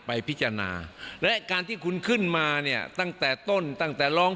ไปพิจารณาและการที่คุณขึ้นมาเนี่ยตั้งแต่ต้นตั้งแต่ร้อง